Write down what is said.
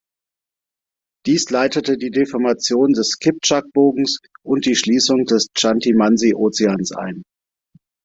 Dies leitete die Deformation des Kiptschak-Bogens und die Schließung des Chanty-Mansi-Ozeans ein.